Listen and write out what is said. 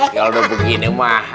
kalau udah begini mah